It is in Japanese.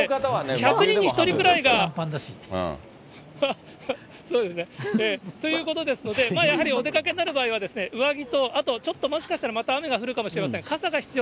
１００人に１人くらいが。ということですので、やはりお出かけになる場合は、上着と、あとちょっと、もしかしたらまた雨が降るかもしれません。